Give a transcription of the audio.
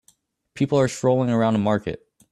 People are strolling around a market